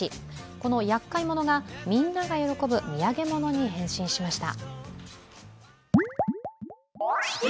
このやっかいものが、みんなが喜ぶ土産物に変身しました。